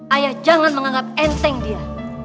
ayah jangan menganggap enteng dia